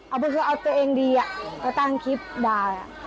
เอาไปคือเอาตัวเองดีก็ตั้งคลิปด่า